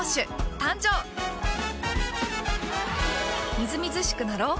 みずみずしくなろう。